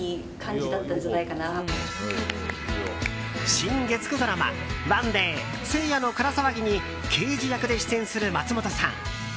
新月９ドラマ「ＯＮＥＤＡＹ聖夜のから騒ぎ」に刑事役で出演する松本さん。